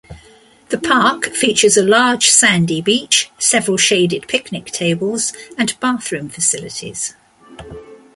The park features a large sandy beach, several shaded picnic tables and bathroom facilities.